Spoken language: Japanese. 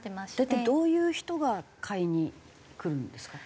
大体どういう人が買いに来るんですか？